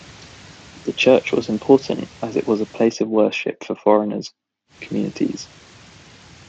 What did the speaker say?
The church was important as it was a place of worship for foreigners communities.